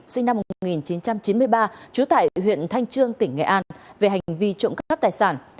sinh năm một nghìn chín trăm chín mươi ba trú tại huyện thanh trương tỉnh nghệ an về hành vi trộm cắp tài sản